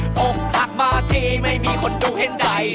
ส่องพักมาที่ไม่มีคนดูเห็นใจ